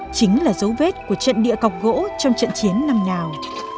chính là dấu vết của trận địa cọc gỗ trong trận chiến năm nào